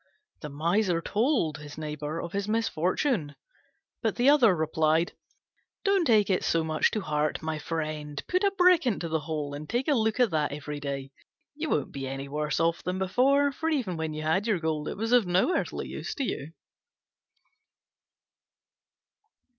The Miser told him of his misfortune; but the other replied, "Don't take it so much to heart, my friend; put a brick into the hole, and take a look at it every day: you won't be any worse off than before, for even when you had your gold it was of no earthly use to you."